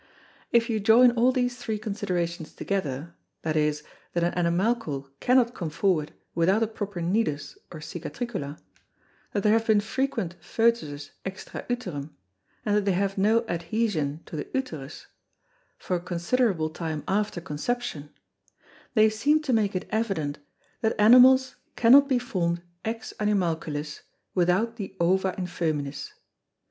If you join all these three Considerations together, viz. that an Animalcle cannot come forward without a proper Nidus or Cicatricula; that there have been frequent Fœtus's extra Uterum; and that they have no Adhæsion to the Uterus, for a considerable time after Conception, they seem to make it evident, that Animals cannot be form'd ex Animalculis without the Ova in Fœminis.